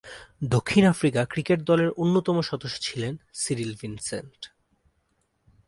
দক্ষিণ Africa cricket দলের অন্যতম সদস্য ছিলেন সিরিল ভিনসেন্ট।